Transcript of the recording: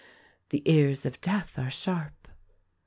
The ears of Death are sharp.